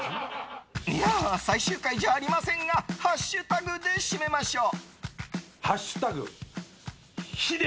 最終回じゃありませんがハッシュタグで締めましょう。